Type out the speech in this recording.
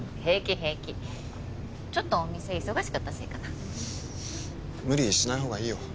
平気ちょっとお店忙しかったせいかな無理しないほうがいいよ